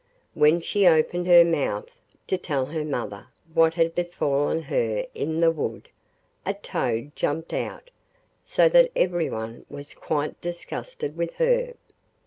When she opened her mouth to tell her mother what had befallen her in the wood, a toad jumped out, so that everyone was quite disgusted with her.